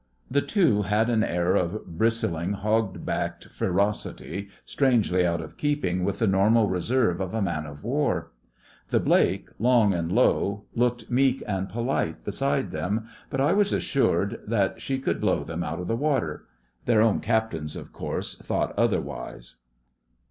The two had an air of bristling, hog backed ferocity, strangely out of keeping with the normal reserve of a man of war. The Blake, long and low, looked meek and polite beside them, but I was assured that she could blow them out of the water. Their own Captains, of course, thought otherwise.